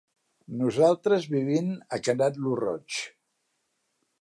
Nosaltres vivim a Canet lo Roig.